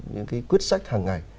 những cái quyết sách hàng ngày